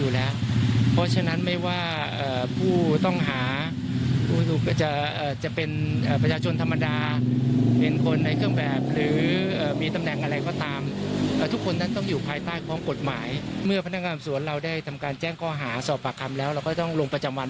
และโทษครองสีชายกำดาลในสำนักประจำหวัน